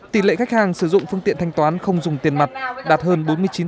tỷ lệ khách hàng sử dụng phương tiện thanh toán không dùng tiền mặt đạt hơn bốn mươi chín